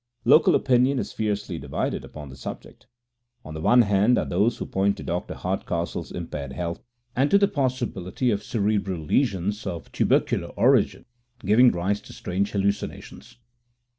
Local opinion is fiercely divided upon the subject. On the one hand are those who point to Dr. Hardcastle's impaired health, and to the possibility of cerebral lesions of tubercular origin giving rise to strange hallucinations.